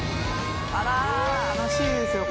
あら楽しいですよ